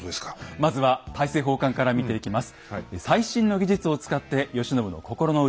まずは大政奉還から見ていきます。